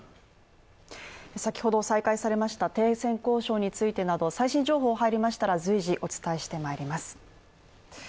先ほど再開されました停戦交渉についてなど最新情報が入りましたら随時お伝えしてまいります。